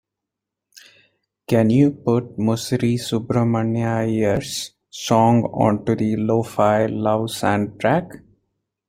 Can you put Musiri Subramania Iyer's song onto the lo-fi love soundtrack?